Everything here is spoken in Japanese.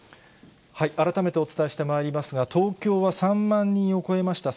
改めてお伝えしてまいりますが、東京は３万人を超えました。